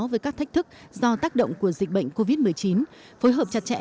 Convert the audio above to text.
với các thách thức do tác động của dịch bệnh covid một mươi chín phối hợp chặt chẽ